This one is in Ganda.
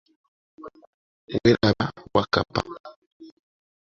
Weeraba Wakkapa.